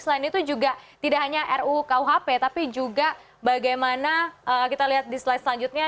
selain itu juga tidak hanya rukuhp tapi juga bagaimana kita lihat di slide selanjutnya